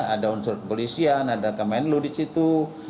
ada unsur kepolisian ada kemenlu di situ